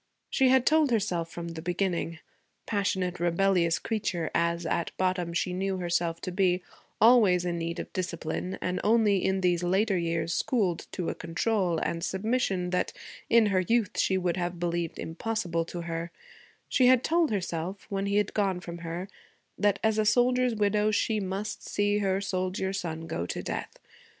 She had told herself from the beginning, passionate, rebellious creature as, at bottom, she knew herself to be, always in need of discipline and only in these later years schooled to a control and submission that, in her youth, she would have believed impossible to her, she had told herself, when he had gone from her, that, as a soldier's widow, she must see her soldier son go to death.